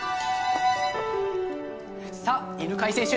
さあ犬飼選手